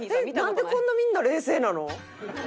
なんでこんなみんな冷静なの？